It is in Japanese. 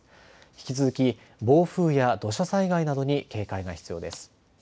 引き続き暴風や土砂災害などに警戒が必要です。